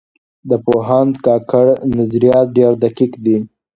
د پوهاند کاکړ نظریات ډېر دقیق دي.